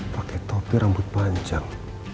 pakai topi rambut panjang